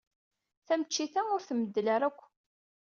Taneččit-a ur tmeddel ara akk.